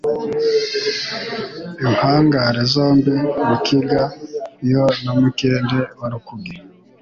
Impangare zombi Mukiga Yo na Mukende wa Rukuge